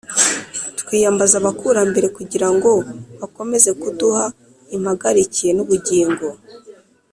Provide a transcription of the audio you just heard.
twiyambaza abakurambere kugira ngo bakomeze kuduha impagarike n’ubugingo.